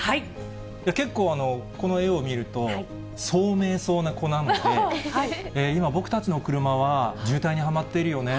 結構、この絵を見ると、聡明そうな子なので、今、僕たちの車は、渋滞にはまっているよね。